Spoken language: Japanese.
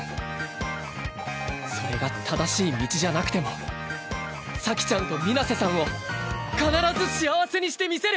それが正しい道じゃなくても咲ちゃんと水瀬さんを必ず幸せにしてみせる